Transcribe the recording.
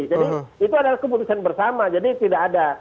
jadi itu adalah keputusan bersama jadi tidak ada